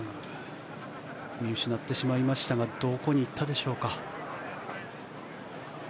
見失ってしまいましたがどこに行ったでしょうか。